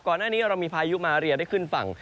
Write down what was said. ก่อนหน้านี้เรามีพายุมาเรียได้ขึ้นฝั่ง